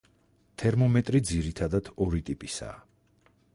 თერმომეტრი ძირითადად ორი ტიპისაა.